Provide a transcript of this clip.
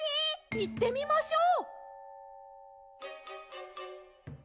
・いってみましょう。